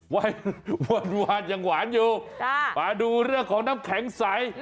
หวานยังหวานอยู่มาดูเรื่องของน้ำแข็งใส